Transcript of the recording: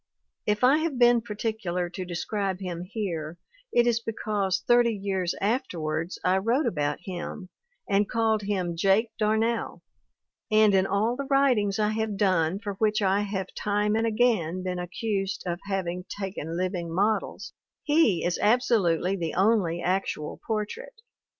If I have been particular to describe him here, it is because thirty years afterwards I wrote about him and called him Jake Darnell; and in all the writings I have done for which I have time and again been accused of having taken living models, he is absolutely the only actual portrait.